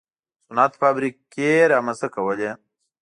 صنعت فابریکې رامنځته کولې.